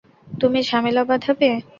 তুমি ঝামেলা বাঁধাবে।